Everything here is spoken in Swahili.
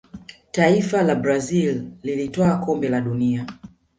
taifa la brazil lilitwaa Kombe la dunia